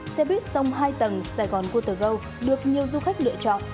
xe buýt sông hai tầng sài gòn vu tờ gâu được nhiều du khách lựa chọn